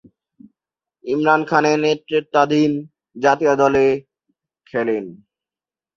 ইমরান খানের নেতৃত্বাধীন জাতীয় দলে খেলেন।